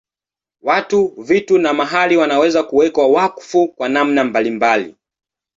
Watu, vitu na mahali wanaweza kuwekwa wakfu kwa namna mbalimbali.